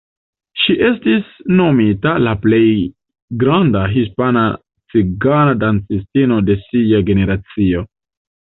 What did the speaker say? Ŝi estis nomita "la plej granda hispana cigana dancistino de sia generacio".